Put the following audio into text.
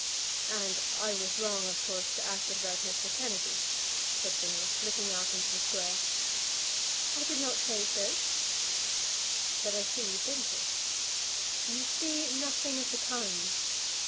"And I was wrong, of course, to ask it about Mr. Kennedy," said Phineas, looking out into the Square. "I did not say so." "But I see you think it." "You see nothing of the kind.